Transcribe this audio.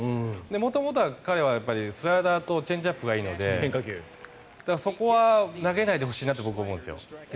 元々は彼はスライダーとチェンジアップがいいのでそこは投げないでほしいなって僕は思うんですよ。